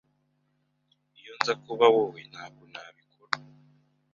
Iyo nza kuba wowe, ntabwo nabikora.